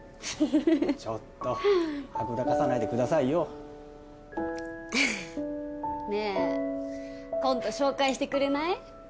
ちょっとはぐらかさないでくださいよねえ今度紹介してくれない？